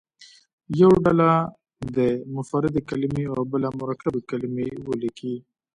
یوه ډله دې مفردې کلمې او بله مرکبې کلمې ولیکي.